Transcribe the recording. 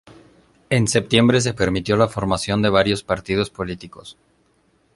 En septiembre se permitió la formación de varios partidos políticos.